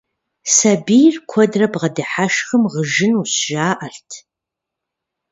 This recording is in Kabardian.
Сабийр куэдрэ бгъэдыхьэшхым, гъыжынущ, жаӀэрт.